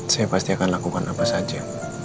saya pasti akan lakukan apa saja